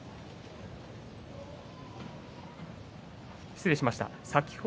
失礼しました。